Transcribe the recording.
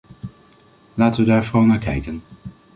Laten we daar vooral naar kijken.